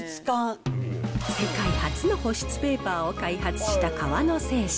世界初の保湿ペーパーを開発した河野製紙。